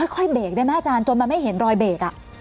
ค่อยเบรกได้ไหมอาจารย์จนมันไม่เห็นรอยเบรก